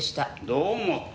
どう思った？